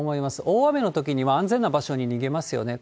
大雨のときには安全な場所に逃げますよね。